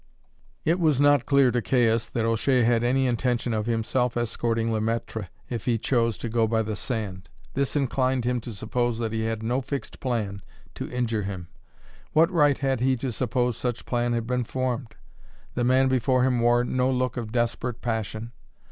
It was not clear to Caius that O'Shea had any intention of himself escorting Le Maître if he chose to go by the sand. This inclined him to suppose that he had no fixed plan to injure him. What right had he to suppose such plan had been formed? The man before him wore no look of desperate passion.